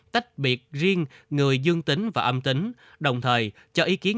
tách biệt riêng người dương tính và âm tính đồng thời cho ý kiến